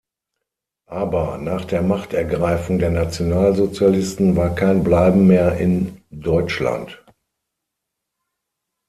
Aber nach der „Machtergreifung“ der Nationalsozialisten war kein Bleiben mehr in Deutschland.